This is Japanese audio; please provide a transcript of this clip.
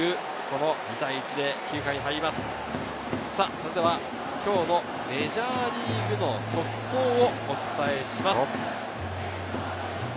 それではきょうのメジャーリーグ速報をお伝えします。